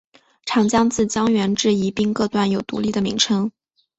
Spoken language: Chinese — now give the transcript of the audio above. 长江自江源至宜宾各段有独立的名称。